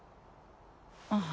ああ。